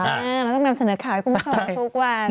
ต้องนำเสนอข่าวให้กุ้งเข้าไปทุกวัน